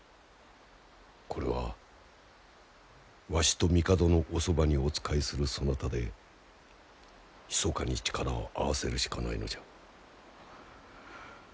これはわしと帝のおそばにお仕えするそなたでひそかに力を合わせるしかないのじゃ。